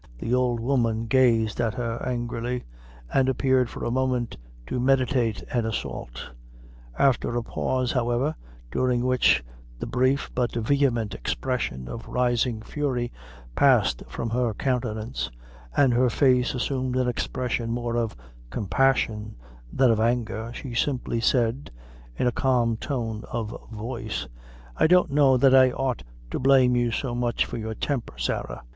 The old woman gazed at her angrily, and appeared for a moment to meditate an assault. After a pause, however, during which the brief but vehement expression of rising fury passed from her countenance, and her face assumed an expression more of compassion than of anger, she simply said, in a calm tone of voice "I don't know that I ought to blame you so much for your temper, Sarah.